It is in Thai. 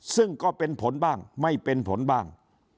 ซึ่งก็เป็นผลบ้างไม่เป็นผลบ้าง